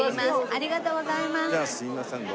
ありがとうございます。